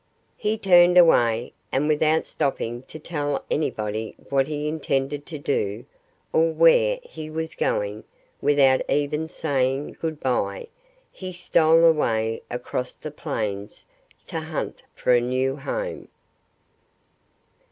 He turned away. And without stopping to tell anybody what he intended to do, or where he was going without even saying good by he stole away across the plains to hunt for a new home.